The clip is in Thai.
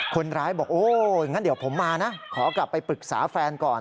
คนร้ายบอกโอ้อย่างนั้นเดี๋ยวผมมานะขอกลับไปปรึกษาแฟนก่อน